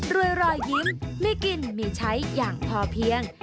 รวยรอยยิ้มไม่กินไม่ใช้อย่างพอเพียง